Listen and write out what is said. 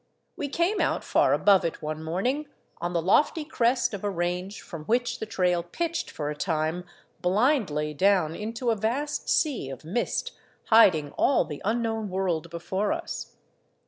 We came out far above it one morning, on the lofty crest of a range from which the trail pitched for a time blindly down into a vast sea of mist hiding all the unknown world before us.